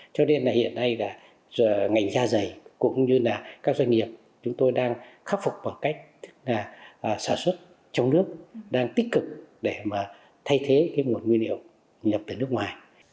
cho nên hiện nay ngành gia dày cũng như các doanh nghiệp chúng tôi đang khắc phục bằng cách sản xuất trong nước đang tích cực để thay thế nguồn nguyên liệu nhập từ nước ngoài